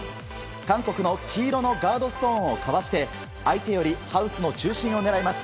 韓国の黄色のガードストーンをかわして相手よりハウスの中心を狙います。